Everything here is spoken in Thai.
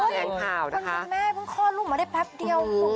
จนคุณแม่เพิ่งคลอดลูกมาได้แป๊บเดียว